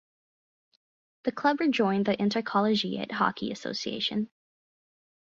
The club rejoined the Intercollegiate Hockey Association.